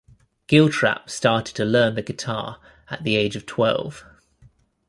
Giltrap started to learn the guitar at the age of twelve.